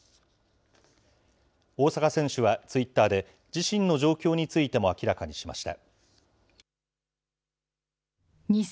大坂選手はツイッターで、自身の状況についても明らかにしました。